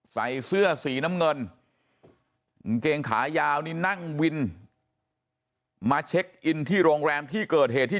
ใส่เสื้อสีน้ำเงินกางเกงขายาวนี่นั่งวินมาเช็คอินที่โรงแรมที่เกิดเหตุที่